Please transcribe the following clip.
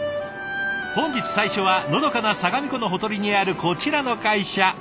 本日最初はのどかな相模湖のほとりにあるこちらの会社。